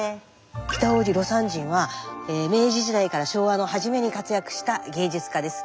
北大路魯山人は明治時代から昭和の初めに活躍した芸術家です。